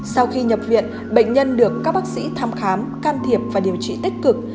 sau khi nhập viện bệnh nhân được các bác sĩ thăm khám can thiệp và điều trị tích cực